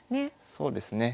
そうですね。